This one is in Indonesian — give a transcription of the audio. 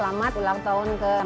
selamat ulang tahun ke enam